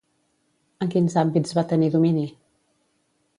En quins àmbits va tenir domini?